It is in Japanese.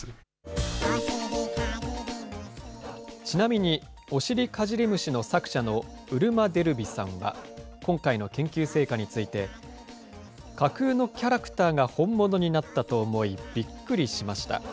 ちなみに、おしりかじり虫の作者のうるまでるびさんは、今回の研究成果について、架空のキャラクターが本物になったと思い、びっくりしました。